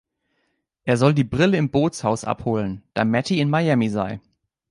Er soll die Brille im Bootshaus abholen, da Matty in Miami sei.